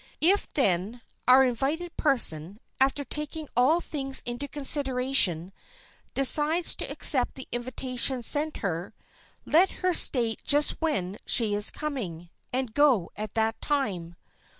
If, then, our invited person, after taking all things into consideration, decides to accept the invitation sent her, let her state just when she is coming, and go at that time.